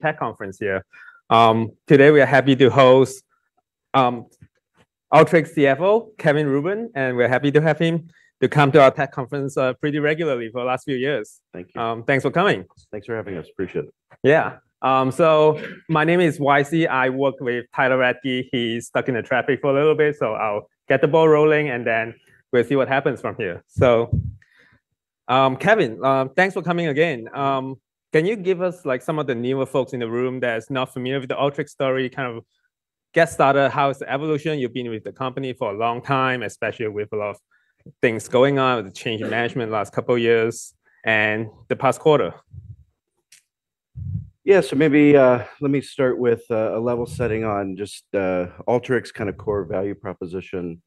Tech Conference here. Today we are happy to host Alteryx CFO, Kevin Rubin, and we're happy to have him to come to our tech conference pretty regularly for the last few years. Thank you. Thanks for coming! Thanks for having us. Appreciate it. Yeah. So my name is YC. I work with Tyler Radke. He's stuck in the traffic for a little bit, so I'll get the ball rolling, and then we'll see what happens from here. So, Kevin, thanks for coming again. Can you give us, like, some of the newer folks in the room that is not familiar with the Alteryx story, kind of get started, how is the evolution? You've been with the company for a long time, especially with a lot of things going on, with the change in management the last couple of years and the past quarter. Yeah. So maybe, let me start with, a level setting on just, Alteryx kind of core value proposition,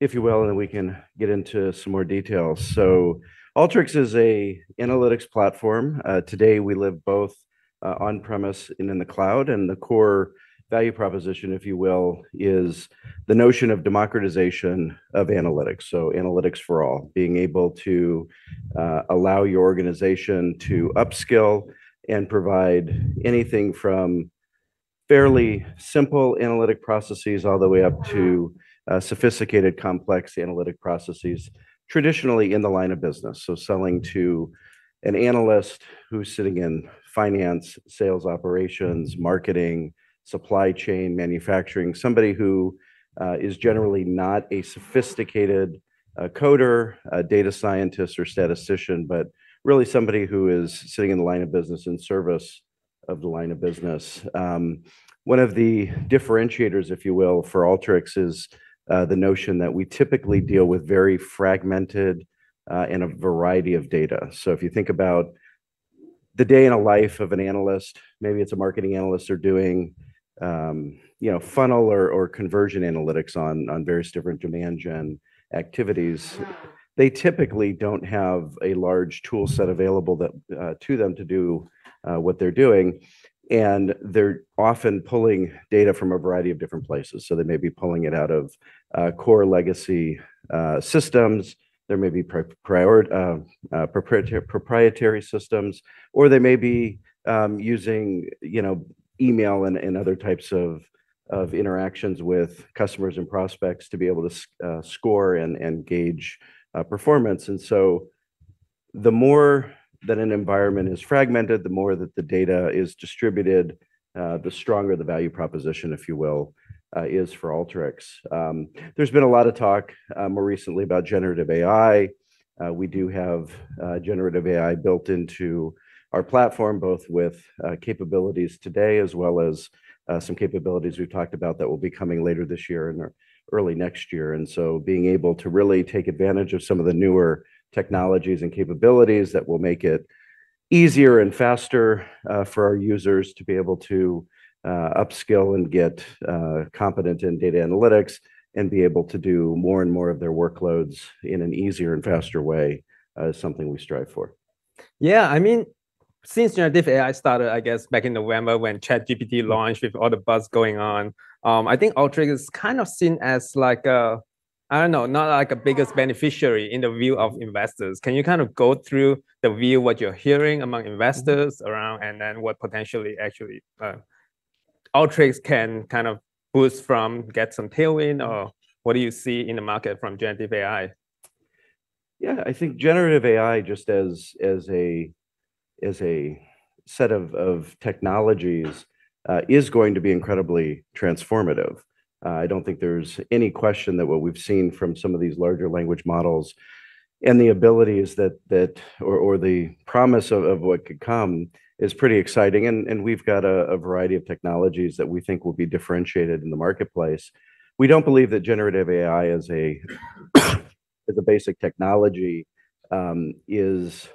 if you will, and then we can get into some more details. So Alteryx is a analytics platform. Today we live both, on-premise and in the cloud, and the core value proposition, if you will, is the notion of democratization of analytics, so analytics for all. Being able to, allow your organization to upskill and provide anything from fairly simple analytic processes, all the way up to, sophisticated, complex analytic processes, traditionally in the line of business. So selling to an analyst who's sitting in finance, sales, operations, marketing, supply chain, manufacturing. Somebody who, is generally not a sophisticated, coder, a data scientist, or statistician, but really somebody who is sitting in the line of business, in service of the line of business. One of the differentiators, if you will, for Alteryx is the notion that we typically deal with very fragmented and a variety of data. So if you think about the day in a life of an analyst, maybe it's a marketing analyst they're doing, you know, funnel or conversion analytics on various different demand gen activities. They typically don't have a large tool set available that to them to do what they're doing, and they're often pulling data from a variety of different places. So they may be pulling it out of core legacy systems. There may be prior proprietary systems, or they may be using, you know, email and other types of interactions with customers and prospects to be able to score and gauge performance. And so the more that an environment is fragmented, the more that the data is distributed, the stronger the value proposition, if you will, is for Alteryx. There's been a lot of talk more recently about generative AI. We do have generative AI built into our platform, both with capabilities today, as well as some capabilities we've talked about that will be coming later this year and early next year. And so being able to really take advantage of some of the newer technologies and capabilities that will make it easier and faster for our users to be able to upskill and get competent in data analytics, and be able to do more and more of their workloads in an easier and faster way is something we strive for. Yeah, I mean, since generative AI started, I guess back in November when ChatGPT launched, with all the buzz going on, I think Alteryx is kind of seen as like a... I don't know, not like a biggest beneficiary in the view of investors. Can you kind of go through the view, what you're hearing among investors around, and then what potentially actually Alteryx can kind of boost from, get some tailwind, or what do you see in the market from generative AI? Yeah, I think generative AI, just as a set of technologies, is going to be incredibly transformative. I don't think there's any question that what we've seen from some of these large language models and the abilities that or the promise of what could come is pretty exciting. And we've got a variety of technologies that we think will be differentiated in the marketplace. We don't believe that generative AI as a basic technology is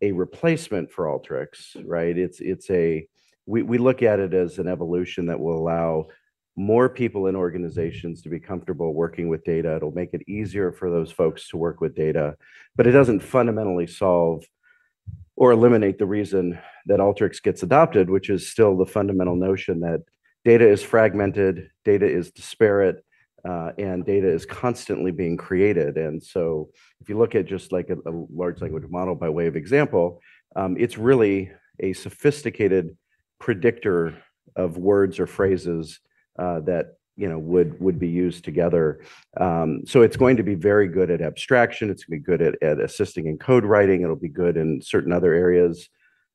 a replacement for Alteryx, right? It's an evolution that will allow more people in organizations to be comfortable working with data. It'll make it easier for those folks to work with data, but it doesn't fundamentally solve or eliminate the reason that Alteryx gets adopted, which is still the fundamental notion that data is fragmented, data is disparate, and data is constantly being created. And so if you look at just like a large language model by way of example, it's really a sophisticated predictor of words or phrases that you know would be used together. So it's going to be very good at abstraction, it's gonna be good at assisting in code writing, it'll be good in certain other areas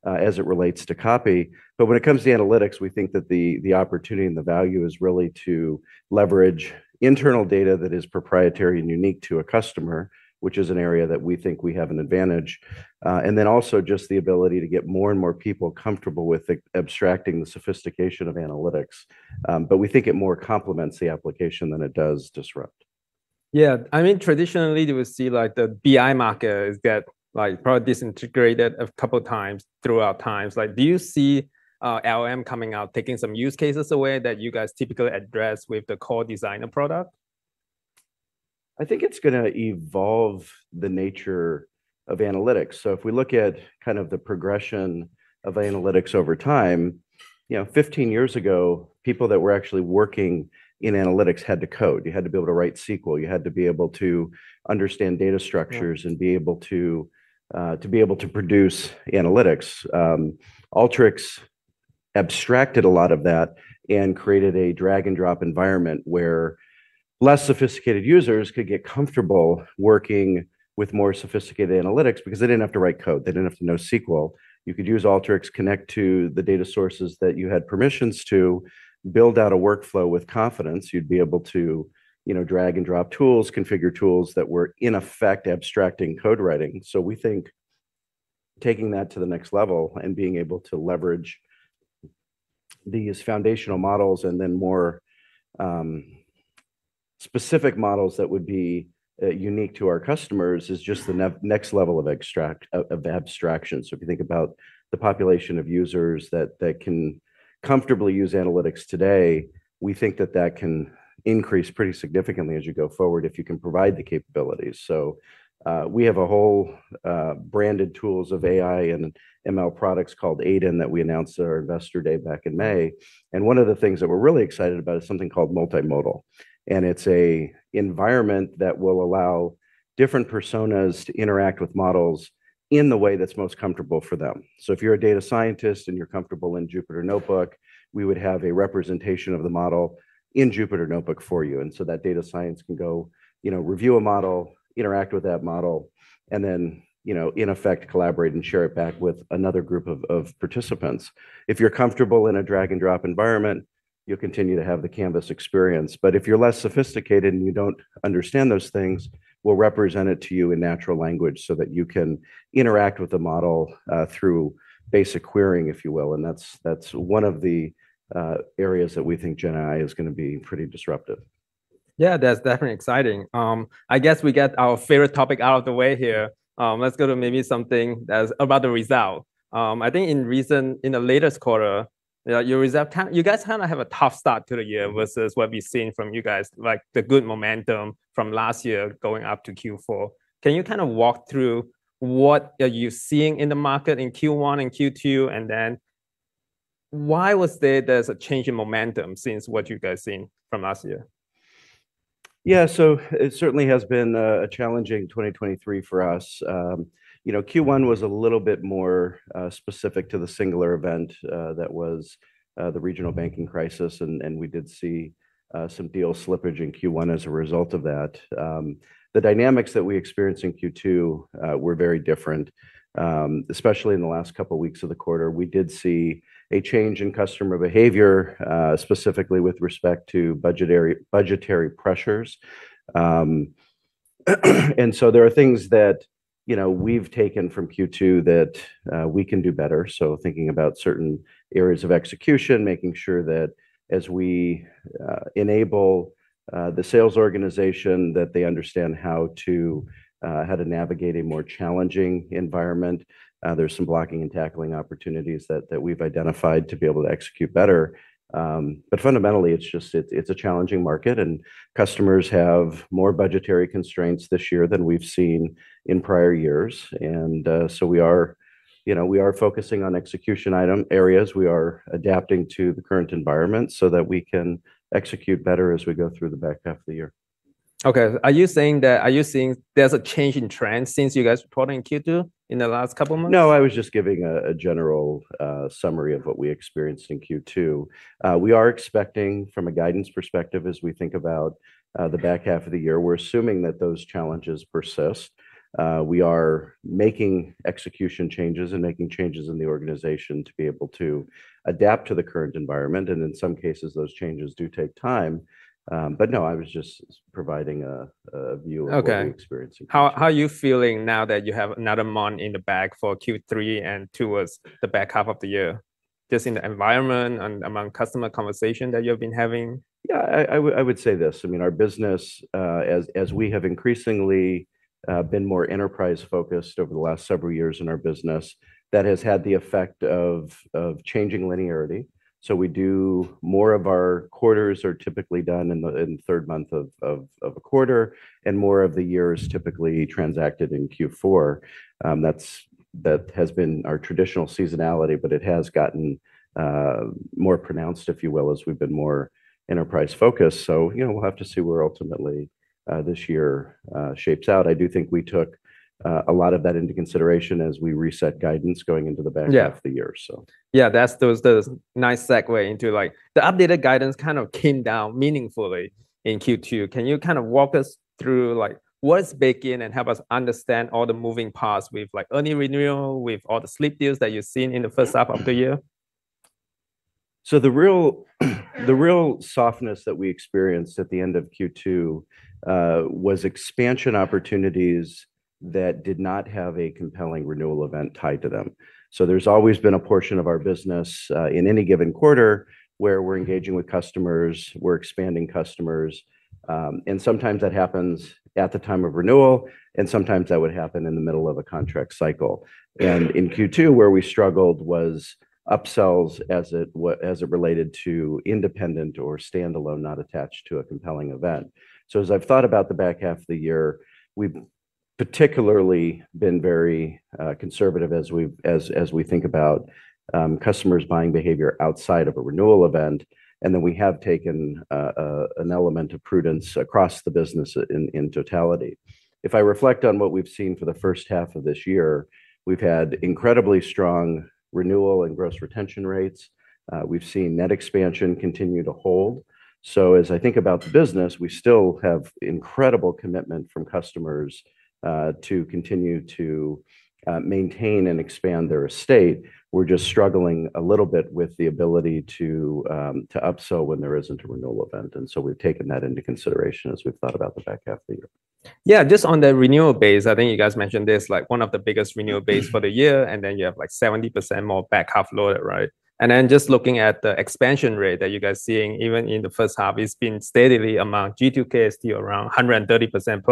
as it relates to copy. But when it comes to analytics, we think that the opportunity and the value is really to leverage internal data that is proprietary and unique to a customer, which is an area that we think we have an advantage. And then also just the ability to get more and more people comfortable with abstracting the sophistication of analytics. But we think it more complements the application than it does disrupt. Yeah. I mean, traditionally, we see, like, the BI market as getting, like, probably disintegrated a couple times throughout time. Like, do you see LLM coming out, taking some use cases away that you guys typically address with the core designer product? I think it's gonna evolve the nature of analytics. So if we look at kind of the progression of analytics over time. You know, 15 years ago, people that were actually working in analytics had to code. You had to be able to write SQL, you had to be able to understand data structures. Yeah. and be able to to be able to produce analytics. Alteryx abstracted a lot of that and created a drag-and-drop environment, where less sophisticated users could get comfortable working with more sophisticated analytics because they didn't have to write code, they didn't have to know SQL. You could use Alteryx, connect to the data sources that you had permissions to, build out a workflow with confidence. You'd be able to, you know, drag and drop tools, configure tools that were, in effect, abstracting code writing. So we think taking that to the next level and being able to leverage these foundational models, and then more specific models that would be unique to our customers, is just the next level of abstraction. So if you think about the population of users that, that can comfortably use analytics today, we think that that can increase pretty significantly as you go forward, if you can provide the capabilities. So, we have a whole, branded tools of AI and ML products called AiDIN, that we announced at our Investor Day back in May. One of the things that we're really excited about is something called multimodal. It's an environment that will allow different personas to interact with models in the way that's most comfortable for them. So if you're a data scientist and you're comfortable in Jupyter Notebook, we would have a representation of the model in Jupyter Notebook for you, and so that data science can go, you know, review a model, interact with that model, and then, you know, in effect, collaborate and share it back with another group of, of participants. If you're comfortable in a drag-and-drop environment, you'll continue to have the canvas experience. But if you're less sophisticated and you don't understand those things, we'll represent it to you in natural language so that you can interact with the model through basic querying, if you will. And that's, that's one of the areas that we think GenAI is gonna be pretty disruptive. Yeah, that's definitely exciting. I guess we get our favorite topic out of the way here. Let's go to maybe something that's about the result. I think in the latest quarter, you guys kinda have a tough start to the year- versus what we've seen from you guys, like the good momentum from last year going up to Q4. Can you kind of walk through what are you seeing in the market in Q1 and Q2, and then why was there a change in momentum since what you guys seen from last year? Yeah. So it certainly has been a challenging 2023 for us. You know, Q1 was a little bit more specific to the singular event that was the regional banking crisis, and we did see some deal slippage in Q1 as a result of that. The dynamics that we experienced in Q2 were very different. Especially in the last couple of weeks of the quarter, we did see a change in customer behavior, specifically with respect to budgetary pressures. And so there are things that, you know, we've taken from Q2 that we can do better. So thinking about certain areas of execution, making sure that as we enable the sales organization, that they understand how to navigate a more challenging environment. There's some blocking and tackling opportunities that we've identified to be able to execute better. But fundamentally, it's just—it's a challenging market, and customers have more budgetary constraints this year than we've seen in prior years. And, so we are, you know, we are focusing on execution item areas. We are adapting to the current environment so that we can execute better as we go through the back half of the year. Okay. Are you saying there's a change in trend since you guys reported in Q2, in the last couple of months? No, I was just giving a general summary of what we experienced in Q2. We are expecting, from a guidance perspective, as we think about the back half of the year, we're assuming that those challenges persist. We are making execution changes and making changes in the organization to be able to adapt to the current environment, and in some cases, those changes do take time. But no, I was just providing a view of- Okay... the experience in Q2. How are you feeling now that you have another month in the bag for Q3 and towards the back half of the year, just in the environment and among customer conversation that you've been having? Yeah, I would say this: I mean, our business, as we have increasingly been more enterprise-focused over the last several years in our business, that has had the effect of changing linearity. So we do more of our quarters are typically done in the third month of a quarter, and more of the year is typically transacted in Q4. That's that has been our traditional seasonality, but it has gotten more pronounced, if you will, as we've been more enterprise-focused. So, you know, we'll have to see where ultimately this year shapes out. I do think we took a lot of that into consideration as we reset guidance going into the back- Yeah Half of the year, so. Yeah, that's, that was the nice segue into, like... The updated guidance kind of came down meaningfully in Q2. Can you kind of walk us through, like, what's baking, and help us understand all the moving parts with, like, early renewal, with all the slip deals that you've seen in the H1 of the year? So the real, the real softness that we experienced at the end of Q2 was expansion opportunities that did not have a compelling renewal event tied to them. So there's always been a portion of our business in any given quarter, where we're engaging with customers, we're expanding customers, and sometimes that happens at the time of renewal, and sometimes that would happen in the middle of a contract cycle. And in Q2, where we struggled was upsells as it related to independent or standalone, not attached to a compelling event. So as I've thought about the back half of the year, we've particularly been very conservative as we think about customers' buying behavior outside of a renewal event, and then we have taken an element of prudence across the business in totality. If I reflect on what we've seen for the first half of this year, we've had incredibly strong renewal and gross retention rates. We've seen net expansion continue to hold. So as I think about the business, we still have incredible commitment from customers to continue to maintain and expand their estate. We're just struggling a little bit with the ability to upsell when there isn't a renewal event, and so we've taken that into consideration as we've thought about the back half of the year. Yeah, just on the renewal base, I think you guys mentioned this, like, one of the biggest renewal base for the year, and then you have, like, 70% more back half load, right? And then just looking at the expansion rate that you guys are seeing, even in the first half, it's been steadily among G2K, still around 130%+.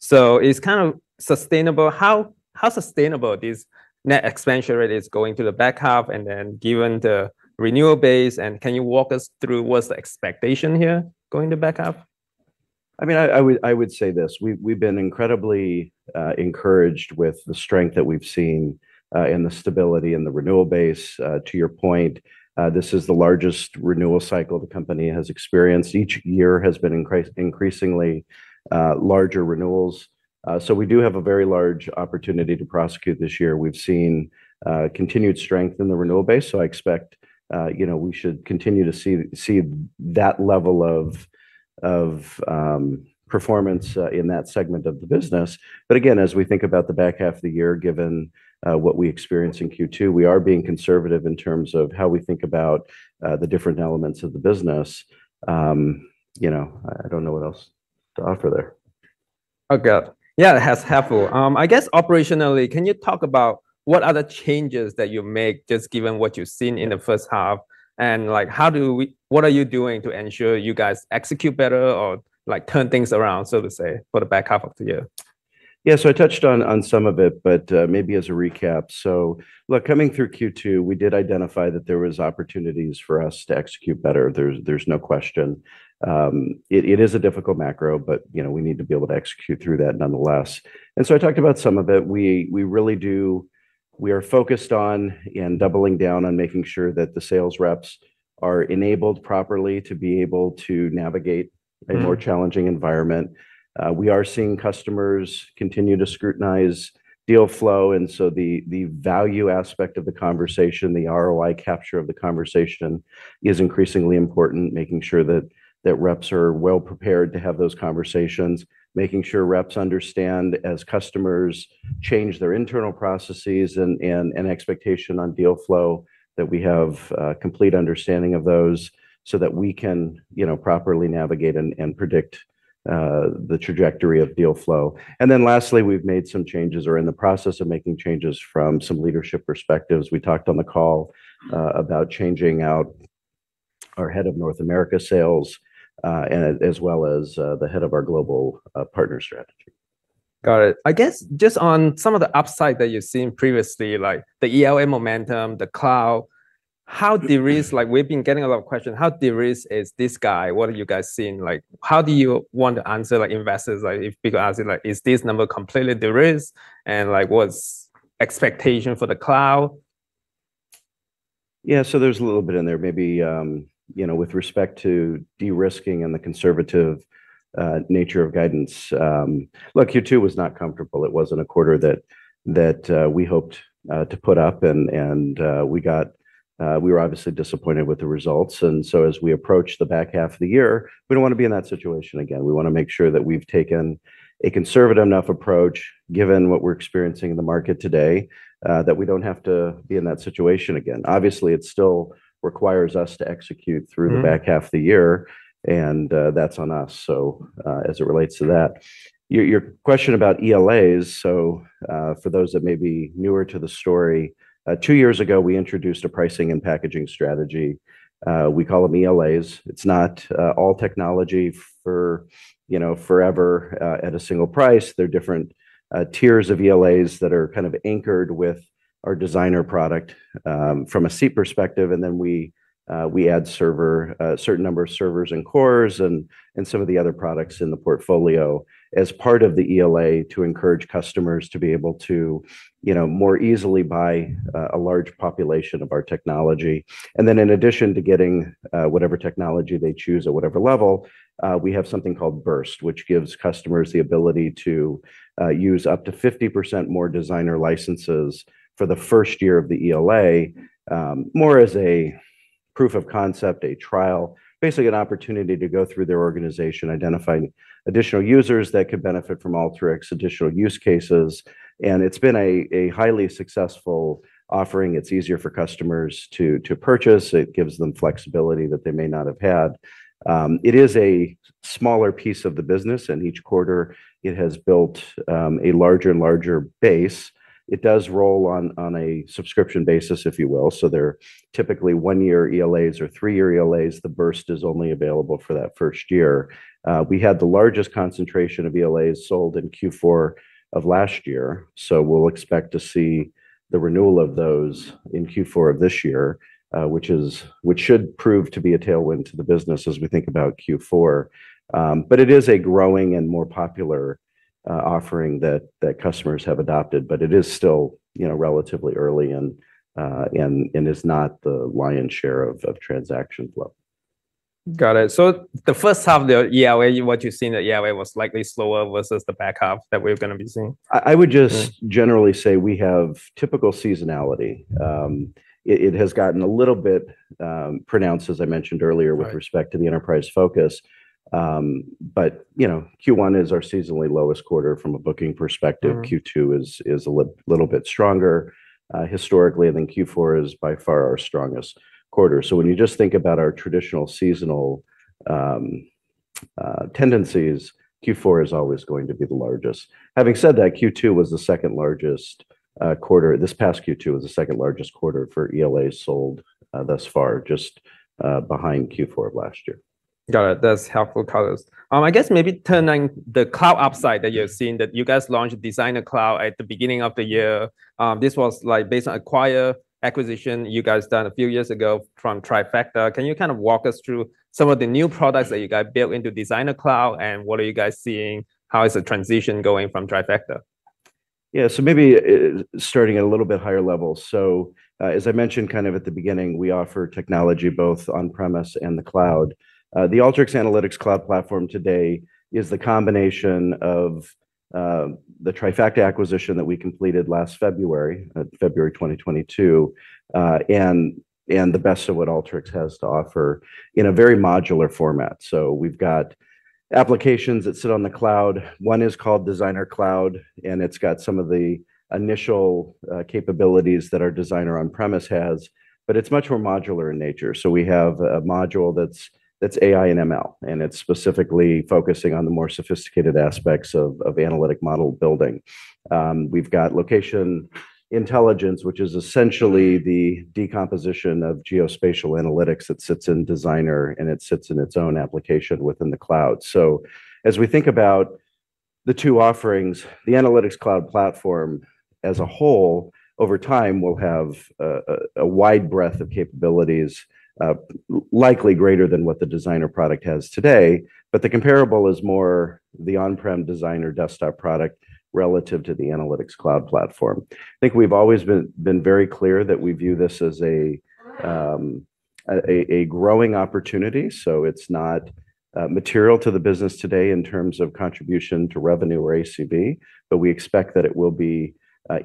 So it's kind of sustainable. How, how sustainable this net expansion rate is going to the back half, and then given the renewal base, and can you walk us through what's the expectation here going to back half? I mean, I would say this: we've been incredibly encouraged with the strength that we've seen and the stability in the renewal base. To your point, this is the largest renewal cycle the company has experienced. Each year has been increasingly larger renewals, so we do have a very large opportunity to prosecute this year. We've seen continued strength in the renewal base, so I expect, you know, we should continue to see that level of performance in that segment of the business. But again, as we think about the back half of the year, given what we experienced in Q2, we are being conservative in terms of how we think about the different elements of the business. You know, I don't know what else to offer there. Okay. Yeah, that's helpful. I guess operationally, can you talk about what are the changes that you make, just given what you've seen in the first half, and, like, how do we—what are you doing to ensure you guys execute better or, like, turn things around, so to say, for the back half of the year? Yeah, so I touched on some of it, but maybe as a recap. So look, coming through Q2, we did identify that there was opportunities for us to execute better. There's no question. It is a difficult macro, but you know, we need to be able to execute through that nonetheless. And so I talked about some of it. We really do. We are focused on and doubling down on making sure that the sales reps are enabled properly to be able to navigate-... a more challenging environment. We are seeing customers continue to scrutinize deal flow, and so the, the value aspect of the conversation, the ROI capture of the conversation, is increasingly important, making sure that reps are well prepared to have those conversations. Making sure reps understand as customers change their internal processes and expectation on deal flow, that we have a complete understanding of those so that we can, you know, properly navigate and predict the trajectory of deal flow. And then lastly, we've made some changes or are in the process of making changes from some leadership perspectives. We talked on the call about changing out our head of North America sales and as well as the head of our global partner strategy. Got it. I guess just on some of the upside that you've seen previously, like the ELA momentum, the cloud, how de-risked. Like, we've been getting a lot of questions, how de-risked is this guy? What are you guys seeing? Like, how do you want to answer, like, investors? Like, if people are asking, like, "Is this number completely de-risked?" And, like, what's expectation for the cloud? Yeah, so there's a little bit in there. Maybe, you know, with respect to de-risking and the conservative nature of guidance. Look, Q2 was not comfortable. It wasn't a quarter that we hoped to put up, and we got... We were obviously disappointed with the results, and so as we approach the back half of the year, we don't want to be in that situation again. We want to make sure that we've taken a conservative enough approach, given what we're experiencing in the market today, that we don't have to be in that situation again. Obviously, it still requires us to execute through- ...the back half of the year, and that's on us. So, as it relates to that, your question about ELAs, so for those that may be newer to the story, two years ago, we introduced a pricing and packaging strategy. We call them ELAs. It's not all technology for, you know, forever at a single price. There are different tiers of ELAs that are kind of anchored with our Designer product from a seat perspective, and then we add Server, a certain number of servers and cores, and some of the other products in the portfolio as part of the ELA to encourage customers to be able to, you know, more easily buy a large population of our technology. Then in addition to getting whatever technology they choose at whatever level, we have something called Burst, which gives customers the ability to use up to 50% more Designer licenses for the first year of the ELA, more as a proof of concept, a trial, basically an opportunity to go through their organization, identify additional users that could benefit from Alteryx, additional use cases. And it's been a highly successful offering. It's easier for customers to purchase. It gives them flexibility that they may not have had. It is a smaller piece of the business, and each quarter, it has built a larger and larger base. It does roll on a subscription basis, if you will, so they're typically one-year ELAs or three-year ELAs. The Burst is only available for that first year. We had the largest concentration of ELAs sold in Q4 of last year, so we'll expect to see the renewal of those in Q4 of this year, which should prove to be a tailwind to the business as we think about Q4. But it is a growing and more popular offering that customers have adopted, but it is still, you know, relatively early and is not the lion's share of transaction flow. Got it. So the first half of the ELA, what you've seen at ELA was likely slower versus the back half that we're gonna be seeing? I would just-... generally say we have typical seasonality. It has gotten a little bit pronounced, as I mentioned earlier- Right... with respect to the enterprise focus. But, you know, Q1 is our seasonally lowest quarter from a booking perspective. Q2 is a little bit stronger historically, and then Q4 is by far our strongest quarter. So when you just think about our traditional seasonal tendencies, Q4 is always going to be the largest. Having said that, Q2 was the second largest quarter. This past Q2 was the second largest quarter for ELA sold thus far, just behind Q4 of last year. Got it. That's helpful colors. I guess maybe turning the cloud upside that you're seeing, that you guys launched Designer Cloud at the beginning of the year. This was like based on acquisition you guys done a few years ago from Trifacta. Can you kind of walk us through some of the new products that you guys built into Designer Cloud, and what are you guys seeing? How is the transition going from Trifacta? Yeah, so maybe starting at a little bit higher level. So, as I mentioned kind of at the beginning, we offer technology both on-premise and the cloud. The Alteryx Analytics Cloud Platform today is the combination of the Trifacta acquisition that we completed last February 2022, and the best of what Alteryx has to offer in a very modular format. So we've got applications that sit on the cloud. One is called Designer Cloud, and it's got some of the initial capabilities that our Designer on-premise has, but it's much more modular in nature. So we have a module that's AI and ML, and it's specifically focusing on the more sophisticated aspects of analytic model building. We've got Location Intelligence, which is essentially the decomposition of geospatial analytics that sits in Designer, and it sits in its own application within the cloud. So as we think about the two offerings, the Analytics Cloud Platform as a whole, over time, will have a wide breadth of capabilities, likely greater than what the Designer product has today. But the comparable is more the on-prem Designer Desktop product relative to the Analytics Cloud Platform. I think we've always been very clear that we view this as a growing opportunity, so it's not material to the business today in terms of contribution to revenue or ACV, but we expect that it will be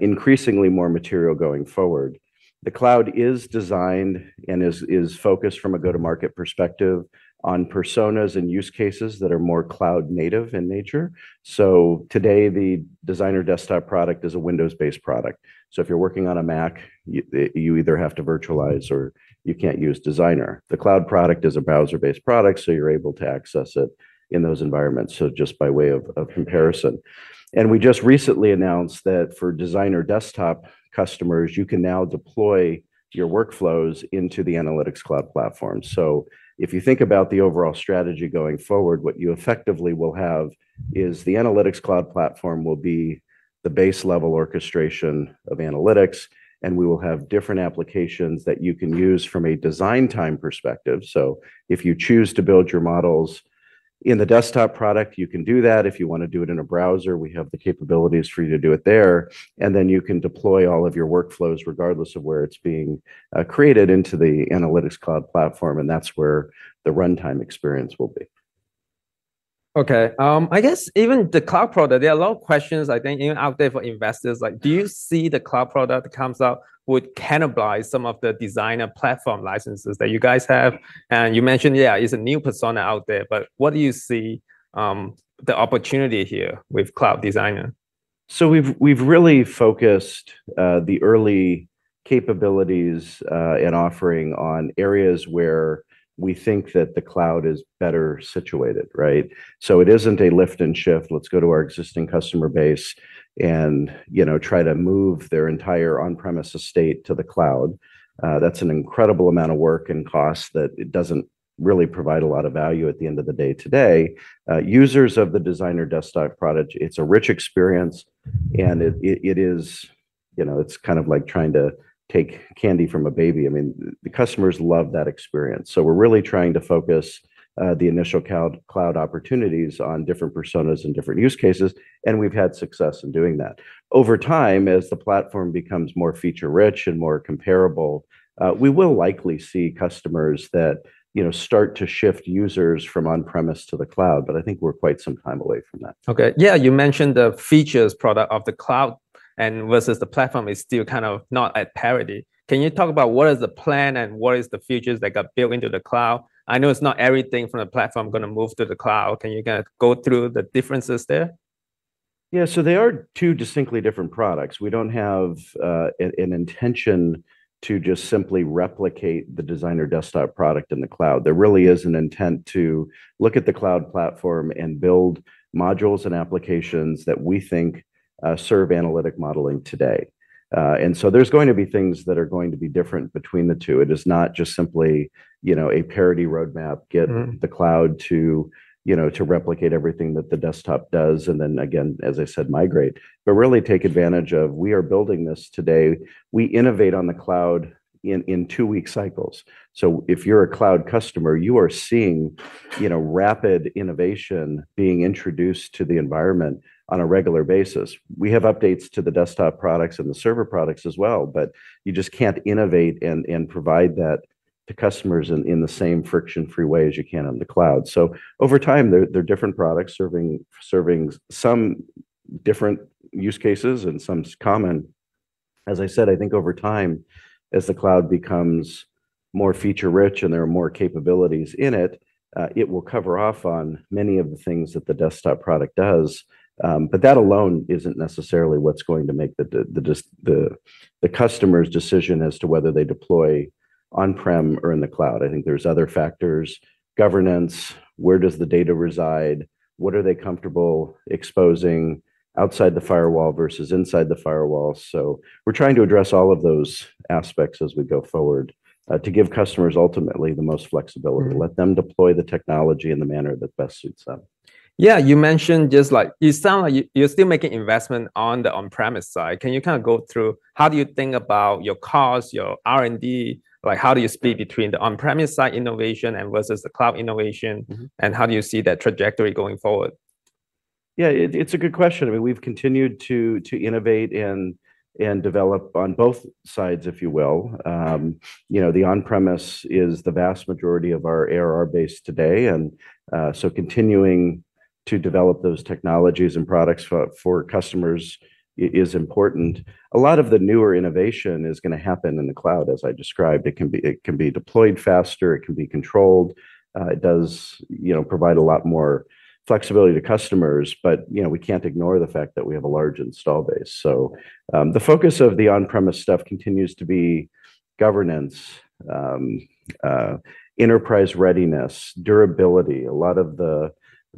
increasingly more material going forward. The cloud is designed and is focused from a go-to-market perspective on personas and use cases that are more cloud native in nature. So today, the Designer Desktop product is a Windows-based product. So if you're working on a Mac, you either have to virtualize or you can't use Designer. The cloud product is a browser-based product, so you're able to access it in those environments, so just by way of comparison. And we just recently announced that for Designer Desktop customers, you can now deploy your workflows into the Analytics Cloud Platform. So if you think about the overall strategy going forward, what you effectively will have is the Analytics Cloud Platform will be the base level orchestration of analytics, and we will have different applications that you can use from a design time perspective. So if you choose to build your models in the desktop product, you can do that. If you wanna do it in a browser, we have the capabilities for you to do it there, and then you can deploy all of your workflows, regardless of where it's being created, into the Analytics Cloud Platform, and that's where the runtime experience will be. Okay, I guess even the cloud product, there are a lot of questions, I think, even out there for investors. Like, do you see the cloud product that comes out would cannibalize some of the Designer platform licenses that you guys have? And you mentioned, yeah, it's a new persona out there, but what do you see, the opportunity here with cloud Designer? So we've really focused the early capabilities in offering on areas where we think that the cloud is better situated, right? So it isn't a lift and shift, let's go to our existing customer base and, you know, try to move their entire on-premise estate to the cloud. That's an incredible amount of work and cost that it doesn't really provide a lot of value at the end of the day today. Users of the Designer Desktop product, it's a rich experience, and it is... You know, it's kind of like trying to take candy from a baby. I mean, the customers love that experience. So we're really trying to focus the initial cloud opportunities on different personas and different use cases, and we've had success in doing that. Over time, as the platform becomes more feature-rich and more comparable, we will likely see customers that, you know, start to shift users from on-premise to the cloud, but I think we're quite some time away from that. Okay. Yeah, you mentioned the features product of the cloud and versus the platform is still kind of not at parity. Can you talk about what is the plan and what is the features that got built into the cloud? I know it's not everything from the platform gonna move to the cloud. Can you, kind of, go through the differences there? Yeah. So they are two distinctly different products. We don't have an intention to just simply replicate the Designer Desktop product in the cloud. There really is an intent to look at the cloud platform and build modules and applications that we think serve analytic modeling today. And so there's going to be things that are going to be different between the two. It is not just simply, you know, a parity roadmap.... get the cloud to, you know, to replicate everything that the desktop does, and then again, as I said, migrate. But really take advantage of we are building this today. We innovate on the cloud in two-week cycles. So if you're a cloud customer, you are seeing, you know, rapid innovation being introduced to the environment on a regular basis. We have updates to the desktop products and the server products as well, but you just can't innovate and provide that to customers in the same friction-free way as you can on the cloud. So over time, they're different products serving some different use cases and some common. As I said, I think over time, as the cloud becomes more feature-rich and there are more capabilities in it, it will cover off on many of the things that the desktop product does. But that alone isn't necessarily what's going to make the customer's decision as to whether they deploy on-prem or in the cloud. I think there's other factors: governance, where does the data reside? What are they comfortable exposing outside the firewall versus inside the firewall? So we're trying to address all of those aspects as we go forward to give customers ultimately the most flexibility-... let them deploy the technology in the manner that best suits them. Yeah, you mentioned just like you sound like you're still making investment on the on-premise side. Can you kind of go through how you think about your costs, your R&D? Like, how do you split between the on-premise side innovation and versus the cloud innovation? How do you see that trajectory going forward? Yeah, it's a good question. I mean, we've continued to innovate and develop on both sides, if you will. You know, the on-premise is the vast majority of our ARR base today, and so continuing to develop those technologies and products for customers is important. A lot of the newer innovation is gonna happen in the cloud, as I described. It can be deployed faster, it can be controlled, it does, you know, provide a lot more flexibility to customers. But, you know, we can't ignore the fact that we have a large install base. So, the focus of the on-premise stuff continues to be governance, enterprise readiness, durability, a lot of the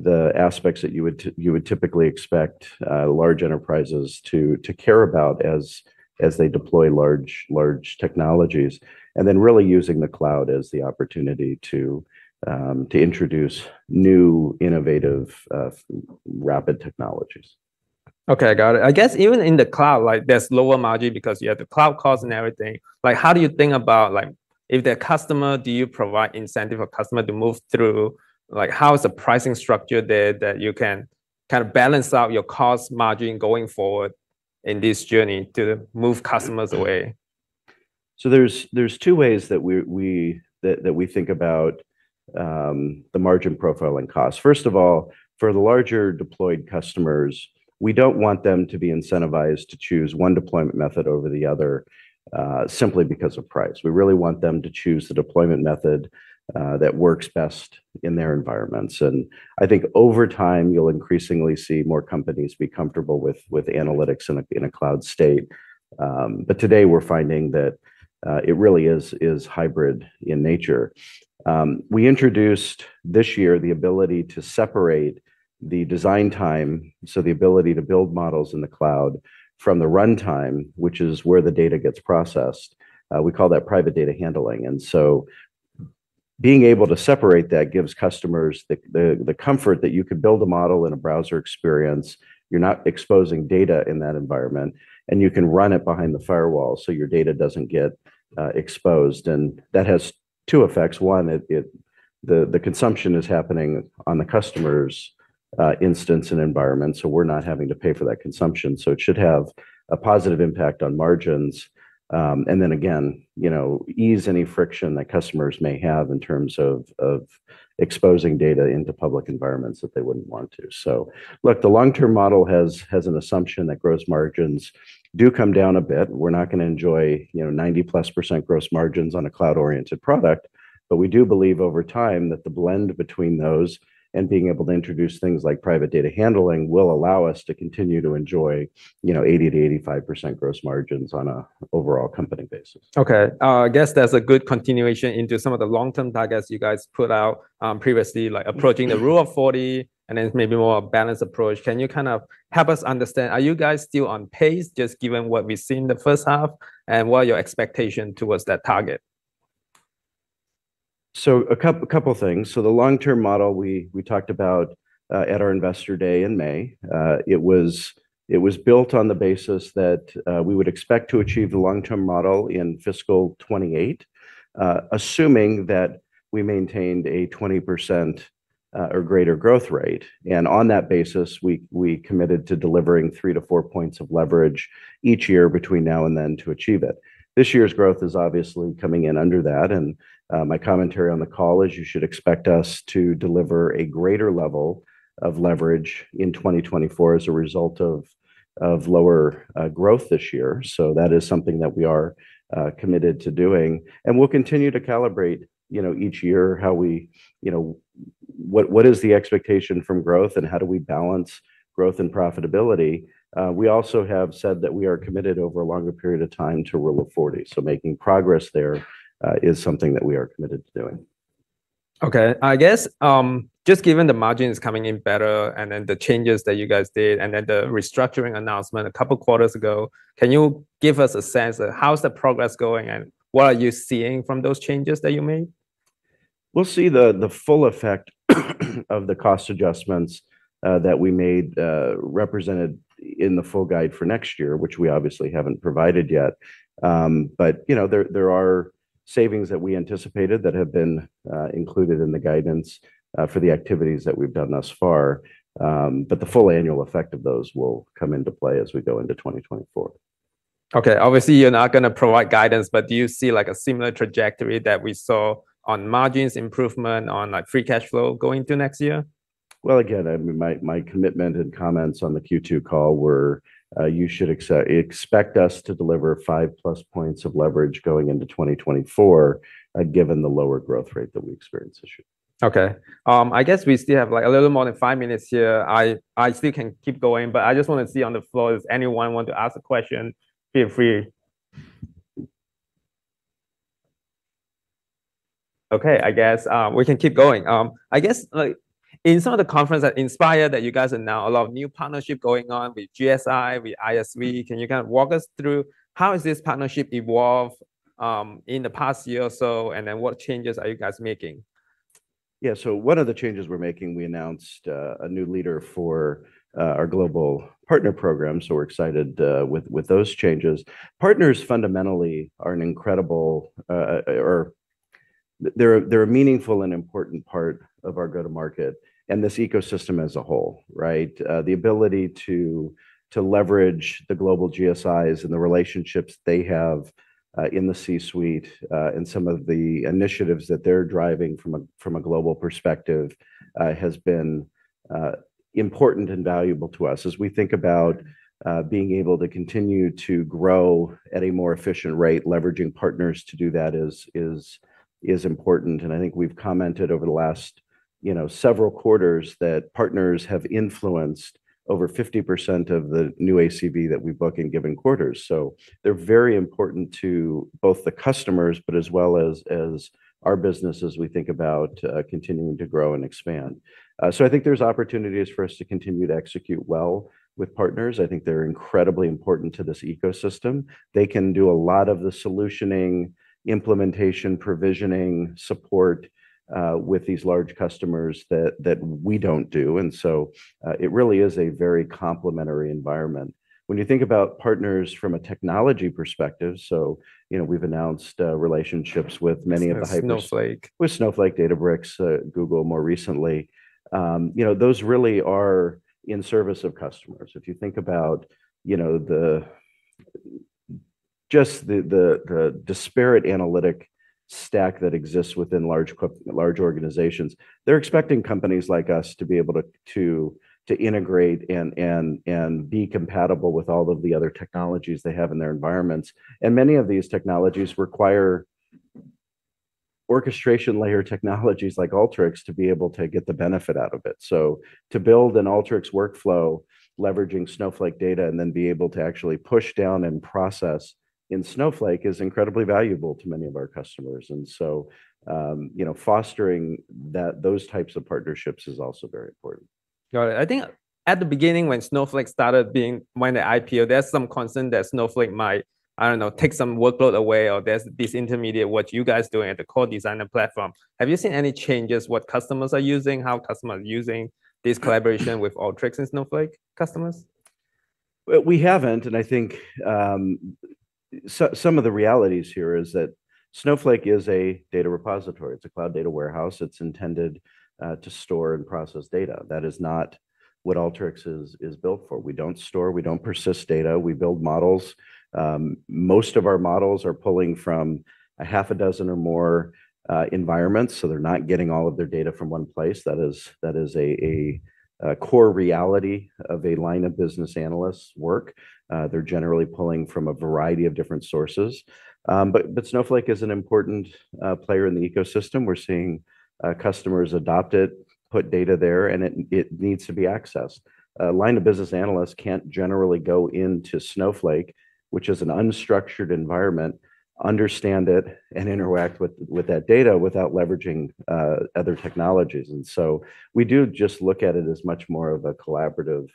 aspects that you would typically expect large enterprises to care about as they deploy large technologies. And then really using the cloud as the opportunity to introduce new innovative rapid technologies. Okay, got it. I guess even in the cloud, like there's lower margin because you have the cloud costs and everything. Like, how do you think about, like, if the customer—do you provide incentive for customer to move through? Like, how is the pricing structure there that you can kind of balance out your cost margin going forward in this journey to move customers away? So there's two ways that we think about the margin profile and cost. First of all, for the larger deployed customers, we don't want them to be incentivized to choose one deployment method over the other simply because of price. We really want them to choose the deployment method that works best in their environments. And I think over time, you'll increasingly see more companies be comfortable with analytics in a cloud state. But today we're finding that it really is hybrid in nature. We introduced this year the ability to separate the design time, so the ability to build models in the cloud, from the runtime, which is where the data gets processed. We call that Private Data Handling. And so being able to separate that gives customers the comfort that you could build a model in a browser experience, you're not exposing data in that environment, and you can run it behind the firewall so your data doesn't get exposed. And that has two effects: one, the consumption is happening on the customer's instance and environment, so we're not having to pay for that consumption. So it should have a positive impact on margins. And then again, you know, ease any friction that customers may have in terms of exposing data into public environments that they wouldn't want to. So look, the long-term model has an assumption that gross margins do come down a bit. We're not gonna enjoy, you know, 90+% gross margins on a cloud-oriented product, but we do believe over time that the blend between those and being able to introduce things like Private Data Handling will allow us to continue to enjoy, you know, 80%-85% gross margins on an overall company basis. Okay, I guess that's a good continuation into some of the long-term targets you guys put out, previously, like approaching the Rule of 40, and then maybe more a balanced approach. Can you kind of help us understand, are you guys still on pace, just given what we've seen the first half, and what are your expectation towards that target? So a couple of things. The long-term model we talked about at our Investor Day in May. It was built on the basis that we would expect to achieve the long-term model in fiscal 2028, assuming that we maintained a 20% or greater growth rate. On that basis, we committed to delivering 3-4 points of leverage each year between now and then to achieve it. This year's growth is obviously coming in under that, and my commentary on the call is, you should expect us to deliver a greater level of leverage in 2024 as a result of lower growth this year. So that is something that we are committed to doing, and we'll continue to calibrate, you know, each year, how we, you know, what is the expectation from growth, and how do we balance growth and profitability? We also have said that we are committed over a longer period of time to Rule of 40. So making progress there is something that we are committed to doing. Okay, I guess, just given the margins coming in better and then the changes that you guys did, and then the restructuring announcement a couple quarters ago, can you give us a sense of how's the progress going, and what are you seeing from those changes that you made? We'll see the full effect of the cost adjustments that we made, represented in the full guide for next year, which we obviously haven't provided yet. But, you know, there are savings that we anticipated that have been included in the guidance for the activities that we've done thus far. But the full annual effect of those will come into play as we go into 2024. Okay, obviously, you're not gonna provide guidance, but do you see, like, a similar trajectory that we saw on margins improvement, on, like, free cash flow going to next year? ... Well, again, I mean, my, my commitment and comments on the Q2 call were, you should expect us to deliver 5+ points of leverage going into 2024, given the lower growth rate that we experienced this year. Okay. I guess we still have, like, a little more than five minutes here. I still can keep going, but I just want to see on the floor, if anyone want to ask a question, feel free. Okay, I guess we can keep going. I guess, like, in some of the conference that inspired that you guys are now a lot of new partnership going on with GSI, with ISV. Can you kind of walk us through how has this partnership evolved, in the past year or so, and then what changes are you guys making? Yeah. So one of the changes we're making, we announced a new leader for our global partner program, so we're excited with those changes. Partners fundamentally are a meaningful and important part of our go-to-market and this ecosystem as a whole, right? The ability to leverage the global GSIs and the relationships they have in the C-suite and some of the initiatives that they're driving from a global perspective has been important and valuable to us. As we think about being able to continue to grow at a more efficient rate, leveraging partners to do that is important. And I think we've commented over the last, you know, several quarters that partners have influenced over 50% of the new ACV that we book in given quarters. So they're very important to both the customers, but as well as our business, as we think about continuing to grow and expand. So I think there's opportunities for us to continue to execute well with partners. I think they're incredibly important to this ecosystem. They can do a lot of the solutioning, implementation, provisioning, support with these large customers that we don't do, and so it really is a very complementary environment. When you think about partners from a technology perspective, so you know, we've announced relationships with many of the hypers- Snowflake. With Snowflake, Databricks, Google more recently. You know, those really are in service of customers. If you think about, you know, just the disparate analytic stack that exists within large organizations, they're expecting companies like us to be able to integrate and be compatible with all of the other technologies they have in their environments. And many of these technologies require orchestration layer technologies like Alteryx, to be able to get the benefit out of it. So to build an Alteryx workflow, leveraging Snowflake data, and then be able to actually push down and process in Snowflake, is incredibly valuable to many of our customers. And so, you know, fostering those types of partnerships is also very important. Got it. I think at the beginning, when the IPO, there's some concern that Snowflake might, I don't know, take some workload away or there's this intermediate, what you guys doing at the core design and platform. Have you seen any changes, what customers are using, how customers are using this collaboration with Alteryx and Snowflake customers? We haven't, and I think some of the realities here is that Snowflake is a data repository. It's a cloud data warehouse. It's intended to store and process data. That is not what Alteryx is built for. We don't store, we don't persist data. We build models. Most of our models are pulling from a half a dozen or more environments, so they're not getting all of their data from one place. That is a core reality of a line of business analyst's work. They're generally pulling from a variety of different sources. But Snowflake is an important player in the ecosystem. We're seeing customers adopt it, put data there, and it needs to be accessed. A line of business analyst can't generally go into Snowflake, which is an unstructured environment, understand it, and interact with that data without leveraging other technologies. And so we do just look at it as much more of a collaborative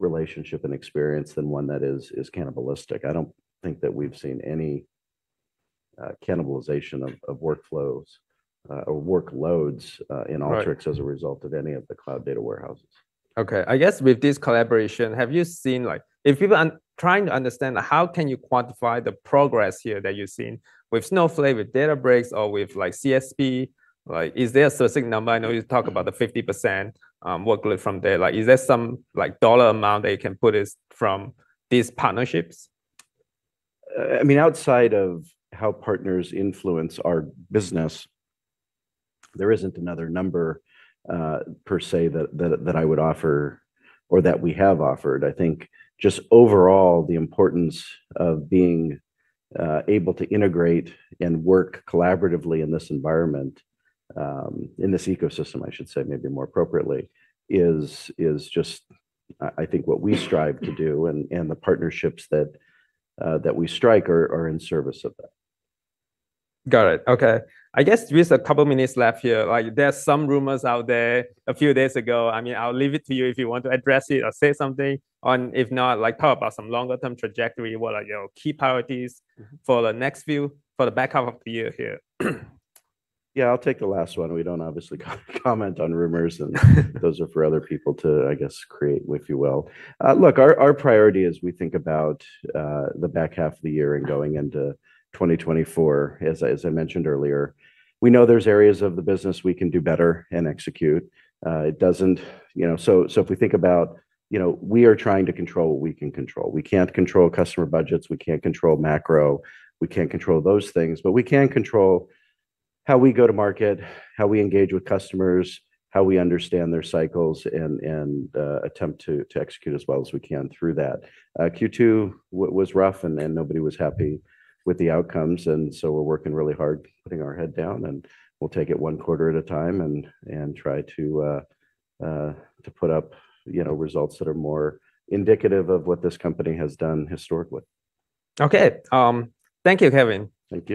relationship and experience than one that is cannibalistic. I don't think that we've seen any cannibalization of workflows or workloads in Alteryx- Right... as a result of any of the cloud data warehouses. Okay. I guess with this collaboration, have you seen—like, if people are trying to understand, how can you quantify the progress here that you've seen with Snowflake, with Databricks, or with, like, CSP? Like, is there a specific number? I know you talk about the 50% workload from there. Like, is there some, like, dollar amount that you can put it from these partnerships? I mean, outside of how partners influence our business, there isn't another number, per se, that I would offer or that we have offered. I think just overall, the importance of being able to integrate and work collaboratively in this environment, in this ecosystem, I should say maybe more appropriately, is just, I think what we strive to do, and the partnerships that we strike are in service of that. Got it. Okay. I guess with a couple of minutes left here, like, there are some rumors out there a few days ago. I mean, I'll leave it to you if you want to address it or say something, and if not, like, talk about some longer-term trajectory. What are your key priorities for the back half of the year here? Yeah, I'll take the last one. We don't obviously go comment on rumors, and those are for other people to, I guess, create, if you will. Look, our priority as we think about the back half of the year and going into 2024, as I mentioned earlier, we know there's areas of the business we can do better and execute. It doesn't... You know, so if we think about, you know, we are trying to control what we can control. We can't control customer budgets. We can't control macro. We can't control those things, but we can control how we go to market, how we engage with customers, how we understand their cycles, and attempt to execute as well as we can through that. Q2 was rough, and nobody was happy with the outcomes, and so we're working really hard, putting our head down, and we'll take it one quarter at a time and try to put up, you know, results that are more indicative of what this company has done historically. Okay. Thank you, Kevin. Thank you.